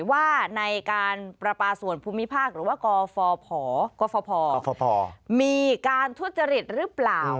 ว่าในการประปาส่วนภูมิภาคหรือว่ากฟภกมีการทุจริตหรือเปล่า